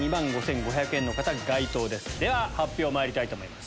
では発表まいりたいと思います。